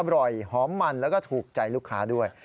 หอมมันแล้วก็ถูกใจลูกค้าด้วย